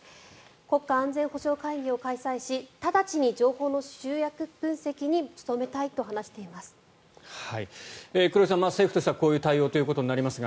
国家安全保障会議を開催し直ちに情報の集約分析に努めたいと話しています。